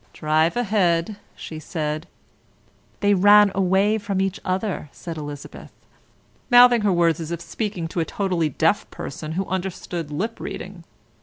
"Drive ahead," she said. "They ran away from each other," said Elizabeth, mouthing her words as if speaking to a totally deaf person who understood lip reading.